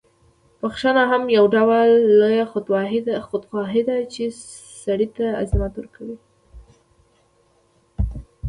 بخښنه هم یو ډول لویه خودخواهي ده، چې سړی ته عظمت ورکوي.